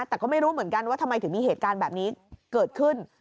แต่ก็ไม่รู้เหมือนกันว่าทำไมถึงมีเหตุการณ์แบบนี้เกิดขึ้น